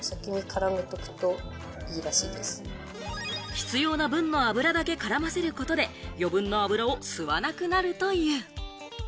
必要な分の油だけ絡ませることで、余分な油を吸わなくなるという。